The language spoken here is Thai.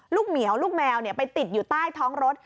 เหมียวลูกแมวไปติดอยู่ใต้ท้องรถ